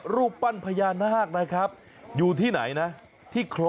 รูปปั้นพญานาค